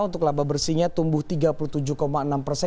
untuk laba bersihnya tumbuh tiga puluh tujuh enam persen